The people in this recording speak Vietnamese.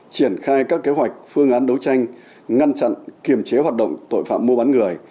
triển khai các kế hoạch phương án đấu tranh ngăn chặn kiềm chế hoạt động tội phạm mua bán người